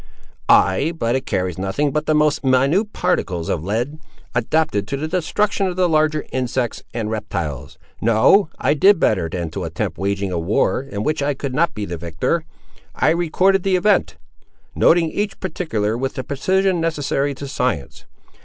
"Ay, but it carries nothing but the most minute particles of lead, adapted to the destruction of the larger insects and reptiles. No, I did better than to attempt waging a war, in which I could not be the victor. I recorded the event; noting each particular with the precision necessary to science.